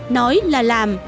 nói là làm